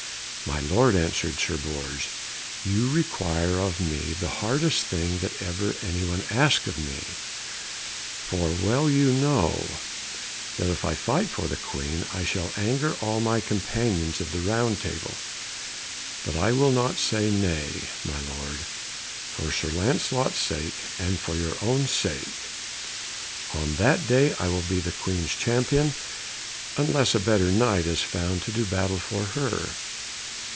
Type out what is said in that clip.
"My lord," answered Sir Bors, "you require of me the hardest thing that ever any one asked of me, for well you know that if I fight for the Queen I shall anger all my companions of the Round Table; but I will not say nay, my lord, for Sir Lancelot's sake and for your own sake! On that day I will be the Queen's champion, unless a better Knight is found to do battle for her."